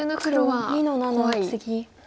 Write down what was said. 黒２の七ツギ。